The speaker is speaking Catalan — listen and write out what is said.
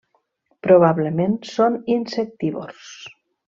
Probablement són insectívors.